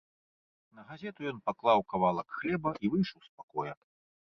На газету ён паклаў кавалак хлеба і выйшаў з пакоя.